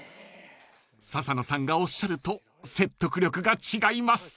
［笹野さんがおっしゃると説得力が違います］